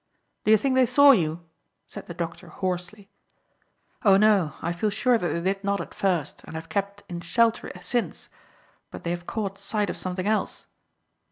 "Do you think they saw you?" said the doctor hoarsely. "Oh no, I feel sure that they did not at first, and I have kept in shelter since; but they have caught sight of something else."